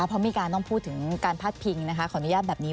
เพราะมีการต้องพูดถึงการพาดพิงนะคะขออนุญาตแบบนี้